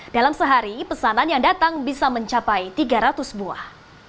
dalam sehari pesanan yang datang bisa mencapai tiga ratus buah